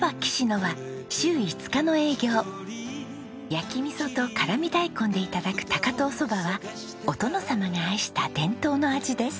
焼き味噌と辛味大根で頂く高遠そばはお殿様が愛した伝統の味です。